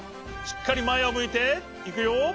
しっかりまえをむいていくよ。